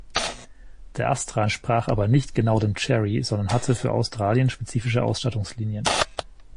Der Astra entsprach aber nicht genau dem Cherry, sondern hatte für Australien spezifische Ausstattungslinien.